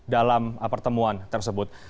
dalam pertemuan tersebut